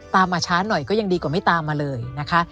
มาช้าหน่อยก็ยังดีกว่าไม่ตามมาเลยนะคะ